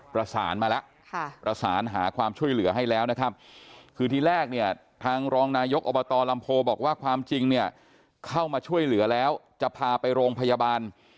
ประสานมาแล้วประสานหาความช่วยเหลือให้แล้วนะครับคือทีแรกเนี่ยทางรองนายกอบตลำโพบอกว่าความจริงเนี่ยเข้ามาช่วยเหลือแล้วจะพาไปโรงพยาบาล